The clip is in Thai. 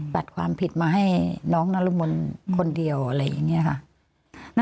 ตัดความผิดมาให้น้องนรมนคนเดียวอะไรอย่างนี้ค่ะ